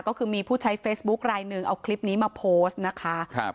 ก็คือมีผู้ใช้เฟซบุ๊คลายหนึ่งเอาคลิปนี้มาโพสต์นะคะครับ